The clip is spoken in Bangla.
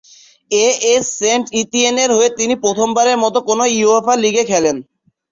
এএস সেন্ট-ইতিয়েনের হয়ে তিনি প্রথমবারের মতো কোন উয়েফা লীগে খেলেন।